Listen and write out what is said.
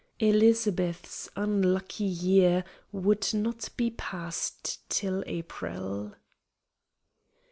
Elizabeth's unlucky year would not be past till April.